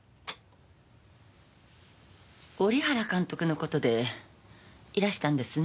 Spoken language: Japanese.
織原監督の事でいらしたんですね？